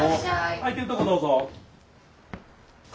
空いてるとこどうぞ。